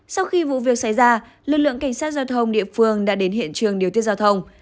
sau khi vụ việc xảy ra lực lượng cảnh sát giao thông địa phương đã đến hiện trường điều tiết giao thông